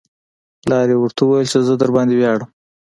پلار یې ورته وویل چې زه درباندې ویاړم